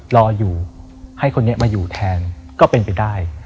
รออยู่ให้คนนี้มาอยู่แทนก็เป็นไปได้